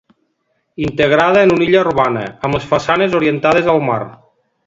Integrada en una illa urbana, amb les façanes orientades al mar.